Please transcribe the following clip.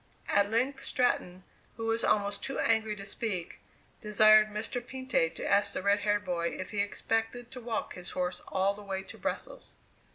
At length Stratton, who was almost too angry to speak, desired Mr. Pinte to ask the red haired boy if he expected to walk his horse all the way to Brussels.